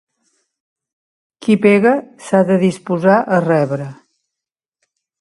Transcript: Qui pega s'ha de disposar a rebre.